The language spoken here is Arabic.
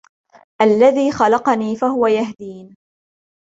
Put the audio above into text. الذي خلقني فهو يهدين